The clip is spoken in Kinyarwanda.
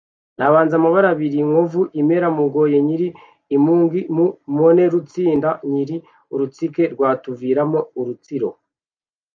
Nabanze Mabara biri Nkovu imere Mogoye Nyiri imuga mu mone Rutsinda nyiri urutsike Rwatuviramo urutsiro